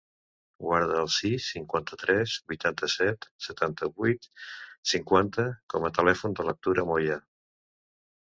Guarda el sis, cinquanta-tres, vuitanta-set, setanta-vuit, cinquanta com a telèfon de la Tura Moya.